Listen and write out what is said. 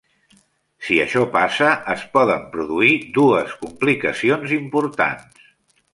Si això passa, es poden produir dues complicacions importants.